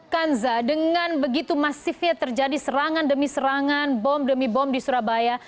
kanza dengan begitu masifnya terjadi serangan demi serangan bom demi bom di surabaya